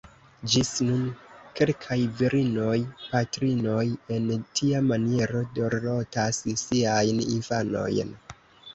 Ĝis nun kelkaj virinoj-patrinoj en tia maniero dorlotas siajn infanojn.